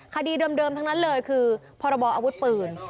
คดีเดิมทั้งนั้นเลยคือพรบออาวุธปืน